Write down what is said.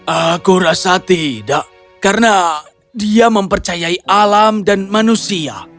aku rasa tidak karena dia mempercayai alam dan manusia